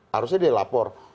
harusnya dia lapor